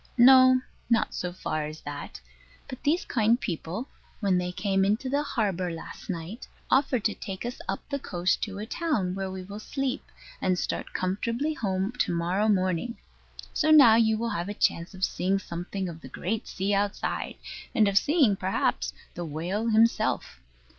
No, not so far as that; but these kind people, when they came into the harbour last night, offered to take us up the coast to a town, where we will sleep, and start comfortably home to morrow morning. So now you will have a chance of seeing something of the great sea outside, and of seeing, perhaps, the whale himself.